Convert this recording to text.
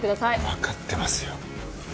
わかってますよ。